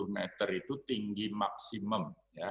dua puluh meter itu tinggi maksimum